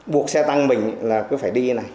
buộc xe tăng mình là cứ phải đi này